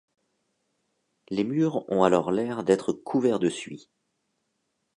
Les murs ont alors l'air d'être couverts de suie.